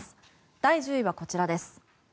第１０位はこちらです。